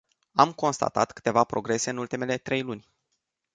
Am constatat câteva progrese în ultimele trei luni.